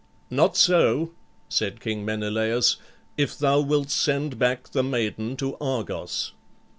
"Not so," said King Menelaüs, "if thou wilt send back the maiden to Argos."